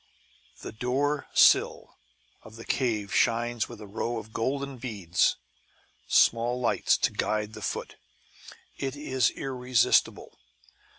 The door sill of the cave shines with a row of golden beads (small lights, to guide the foot) it is irresistible.